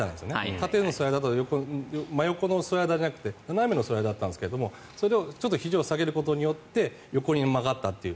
縦のスライダーと真横のスライダーじゃなくて斜めのスライダーだったんですがそれを、ちょっとひじを下げることによって横に曲がったという。